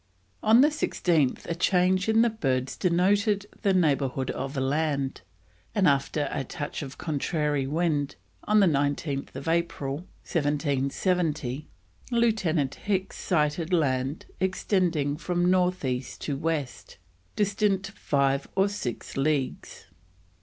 On the 16th a change in the birds denoted the neighbourhood of land, and after a touch of contrary wind, on 19th April 1770 Lieutenant Hicks sighted land extending from north east to west, distant five or six leagues.